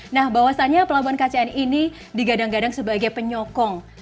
nah bahwasannya pelabuhan kcn ini digadang gadang sebagai penyokong